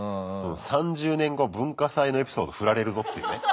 ３０年後文化祭のエピソード振られるぞっていうね。